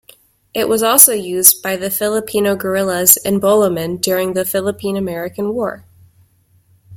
It was also used by the Filipino guerrillas and bolomen during the Philippine-American War.